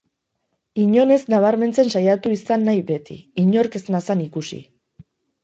Inon ez nabarmentzen saiatu izan nahi beti, inork ez nazan ikusi.